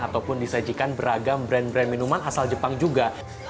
ataupun disajikan beragam brand brand minuman asal jepang juga